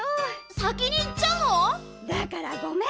さきにいっちゃうの⁉だからごめん。